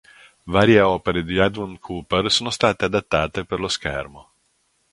Varie opere di Edmund Cooper sono state adattate per lo schermo.